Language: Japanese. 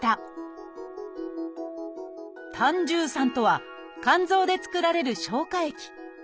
「胆汁酸」とは肝臓で作られる消化液。